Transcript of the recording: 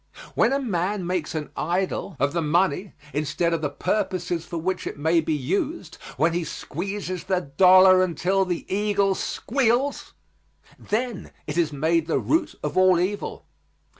When a man makes an idol of the money instead of the purposes for which it may be used, when he squeezes the dollar until the eagle squeals, then it is made the root of all evil.